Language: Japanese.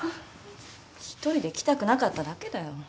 １人で来たくなかっただけだよ。